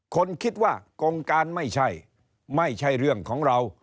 คนคิดว่ากงการไม่ใช่ไม่ใช่เรื่องของเรา